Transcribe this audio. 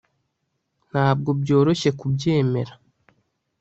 Ntabwo byoroshye kubyemera